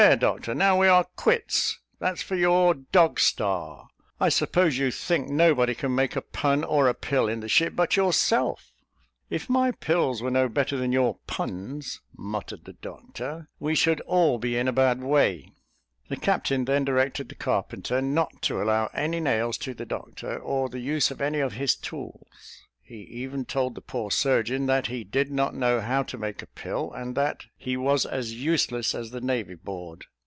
"There, Doctor; now we are quits: that's for your Dog Star. I suppose you think nobody can make a pun or a pill, in the ship, but yourself?" "If my pills were no better than your puns," muttered the doctor, "we should all be in a bad way." The captain then directed the carpenter not to allow any nails to the doctor, or the use of any of his tools; he even told the poor surgeon that he did not know how to make a pill, and that "he was as useless as the Navy Board."